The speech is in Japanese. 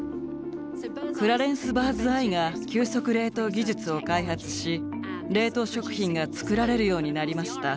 クラレンス・バーズアイが急速冷凍技術を開発し冷凍食品が作られるようになりました。